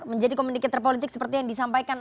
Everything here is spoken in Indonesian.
menjadi komunikator politik seperti yang disampaikan